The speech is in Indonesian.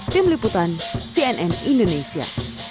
tim liputan cnn indonesia